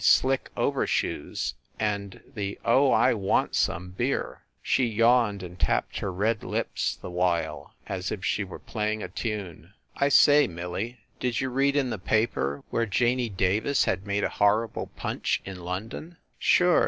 Slick Overshoes and the O I Wansum Beer. " She yawned and tapped her red lips the while, as if she were playing a tune. "I say, Millie, did you read in the paper where Janey Davis had made a horrible punch in London?" 1 70 FIND THE WOMAN "Sure.